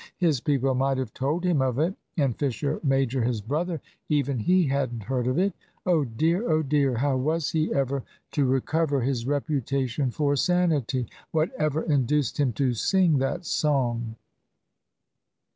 His people might have told him of it. And Fisher major, his brother even he hadn't heard of it! Oh dear! oh dear! How was he ever to recover his reputation for sanity? Whatever induced him to sing that song?